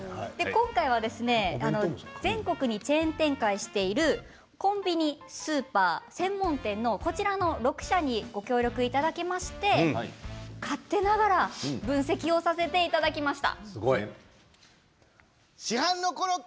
今回は全国にチェーン展開しているコンビニスーパー専門店の６社にご協力いただきまして勝手ながら分析させていただきました。